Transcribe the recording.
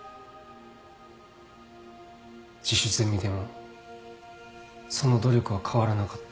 自主ゼミでもその努力は変わらなかった。